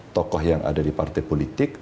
tokoh yang ada di partai politik